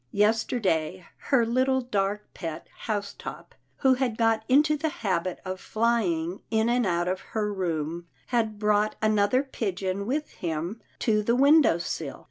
Yesterday, her little dark pet Housetop, who had got into the habit of flying in and out of her room, had brought another pigeon with him to the window sill.